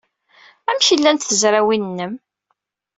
Amek llant tezrawin-nnem?